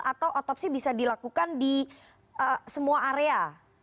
atau otopsi bisa dilakukan di semua area